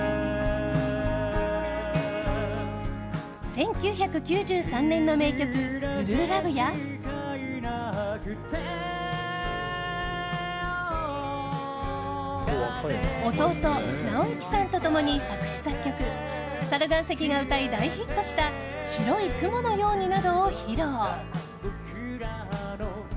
１９９３年の名曲「ＴＲＵＥＬＯＶＥ」や弟・尚之さんと共に作詞・作曲猿岩石が歌い大ヒットした「白い雲のように」などを披露。